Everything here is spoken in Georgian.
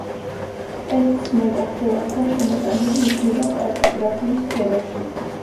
ეს ცნება ხელახლა შემოტანილი იქნება კარტოგრაფიის სფეროში.